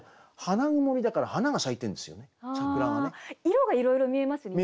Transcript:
色がいろいろ見えますよね。